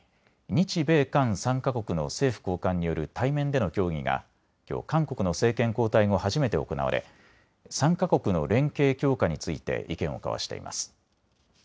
日米韓３か国の政府高官による対面での協議がきょう韓国の政権交代後、初めて行われ３か国の連携強化について意見を交わしています。